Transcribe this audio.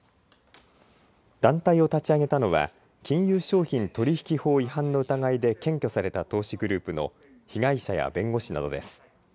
団体を立ち上げたのは金融商品取引法違反の疑いで検挙された投資グループの被害者や弁護士などです。